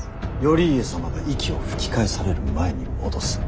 頼家様が息を吹き返される前に戻す。